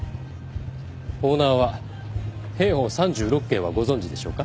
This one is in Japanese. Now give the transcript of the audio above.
オーナーは『兵法三十六計』はご存じでしょうか？